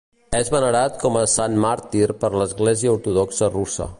És venerat com a sant màrtir per l'Església Ortodoxa Russa.